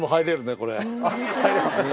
あっ入れますね。